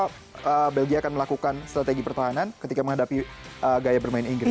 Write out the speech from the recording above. karena belgia akan melakukan strategi pertahanan ketika menghadapi gaya bermain inggris